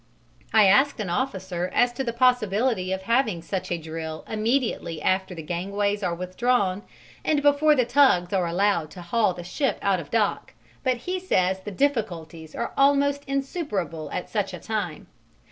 I asked an officer as to the possibility of having such a drill immediately after the gangways are withdrawn and before the tugs are allowed to haul the ship out of dock, but he says the difficulties are almost insuperable at such a time.